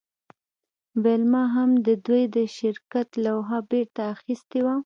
ویلما هم د دوی د شرکت لوحه بیرته اخیستې وه